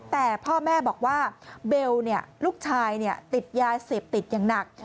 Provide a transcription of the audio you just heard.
แต่พ่อแม่บอกว่าเบลลูกชายติดยาเสพติดอย่างหนัก